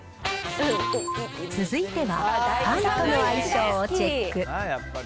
続いては、パンとの相性をチェック。